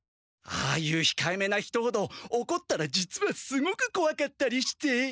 ああいうひかえめな人ほどおこったら実はすごく怖かったりして。